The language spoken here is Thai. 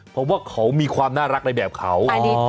เพราะว่าเขามีความน่ารักในแบบเขา